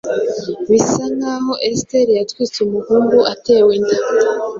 Bisa nk’aho Esiteri yatwise umuhungu atewe inda